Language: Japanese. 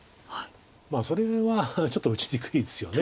まあそれはちょっと打ちにくいですよね。